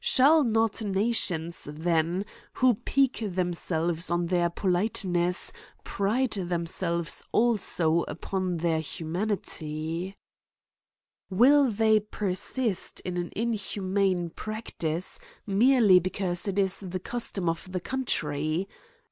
Shall not nations then who pique themselves on their polite ness, pride themselves also upon their humanity ? 200 A COMMENTAIIY ON Will they persist in an inhuman practice, merely because it is the custom of the country